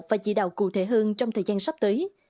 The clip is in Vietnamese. và chỉ đạo cụ thể hơn trong thời gian sắp tới